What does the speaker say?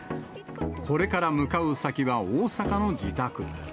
これから向かう先は大阪の自宅。